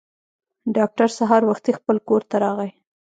ډاکټر سهار وختي خپل کور ته راغی.